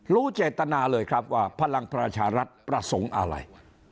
รู้เจตนาเลยครับว่าพลังประชารัฐประสงค์อะไร